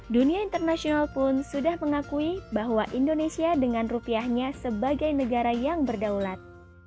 dunia internasional pun sudah mengakui bahwa indonesia dengan rupiahnya sebagai negara yang berdaulat